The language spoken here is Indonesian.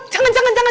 jangan jangan jangan